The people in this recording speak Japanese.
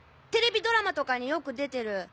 テレビドラマとかによく出てる。